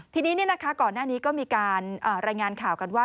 ทีนี้ก่อนหน้านี้ก็มีการรายงานข่าวกันว่า